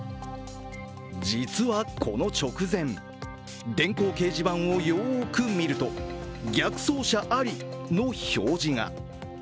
実は、この直前、電光掲示板をよく見ると、「逆走車あり」の表示が。